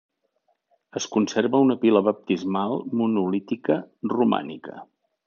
Es conserva una pila baptismal monolítica, romànica.